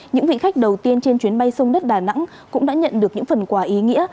những vị khách đầu tiên trên chuyến bay sông đất đà nẵng cũng đã nhận được những phần quà ý nghĩa